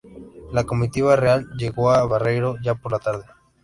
La comitiva real llegó a Barreiro ya por la tarde.